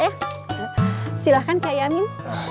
ya silahkan kaya min terima kasih